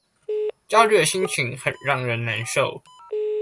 焦慮的心情很讓人難受